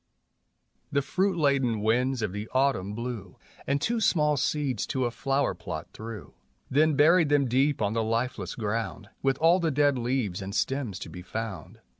The fruit laden winds of the autumn blew And two small seeds to a flower plot threw, Then buried them deep on the lifeless ground With all the dead leaves and stems to be found.